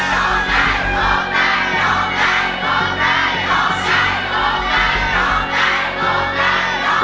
โทษได้โทษได้โทษได้โทษได้